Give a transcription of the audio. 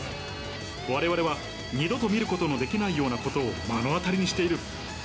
われわれは二度と見ることのできないようなことを目の当たりにしている。